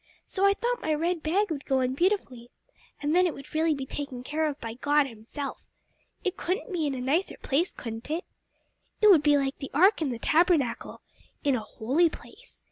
So I thought my red bag would go in beautifully, and then it would really be taken care of by God Himself. It couldn't be in a nicer place, could it? It would be like the ark in the tabernacle in a holy place.